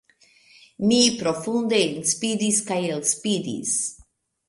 Mi profunde enspiris kaj elspiris.